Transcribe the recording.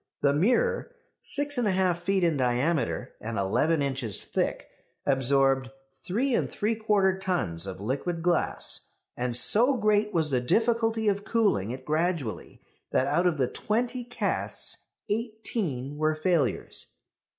The mirror, 6 1/2 feet in diameter and eleven inches thick, absorbed 3 3/4 tons of liquid glass; and so great was the difficulty of cooling it gradually, that out of the twenty casts eighteen were failures.